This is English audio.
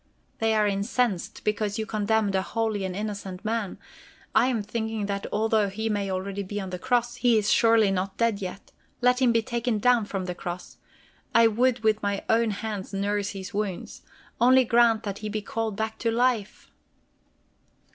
They are incensed because you condemned a holy and innocent man. I am thinking that although he may already be on the cross, he is surely not dead yet. Let him be taken down from the cross! I would with mine own hands nurse his wounds. Only grant that he be called back to life!"